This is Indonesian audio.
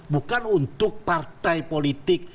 bukan untuk partai politik